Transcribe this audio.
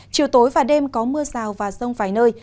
chiều tối và đêm có mưa rào và rông vài nơi